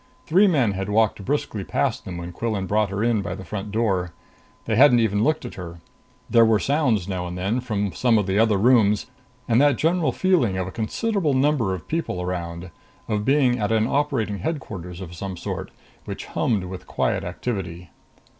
Three men had walked briskly past them when Quillan brought her in by the front door. They hadn't even looked at her. There were sounds now and then from some of the other rooms, and that general feeling of a considerable number of people around of being at an operating headquarters of some sort, which hummed with quiet activity.